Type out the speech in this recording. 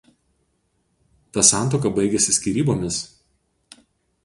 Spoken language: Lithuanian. Ta santuoka baigėsi skyrybomis.